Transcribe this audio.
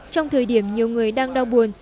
trong thời điểm nhiều người đang đau buồn